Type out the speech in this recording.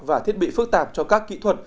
và thiết bị phức tạp cho các kỹ thuật